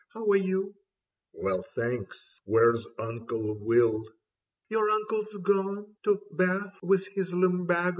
How are you ?"" Well, thanks. Where's Uncle Will ?"" Your uncle's gone To Bath for his lumbago.